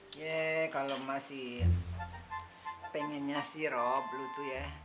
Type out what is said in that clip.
ye kalau masih pengennya si rob lo tuh ya